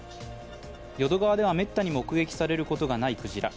淀川ではめったに目撃されることがないクジラ。